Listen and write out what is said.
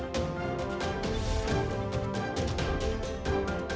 dia itu sebaya sekitar sepuluh bud